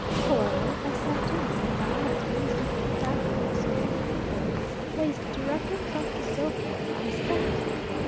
However I sat down, when my eyes were instantly attracted by something awful, placed directly in front of the sofa where I sat.